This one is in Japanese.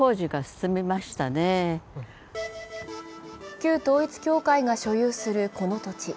旧統一教会が所有するこの土地。